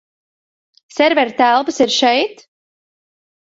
Servera telpas ir šeit?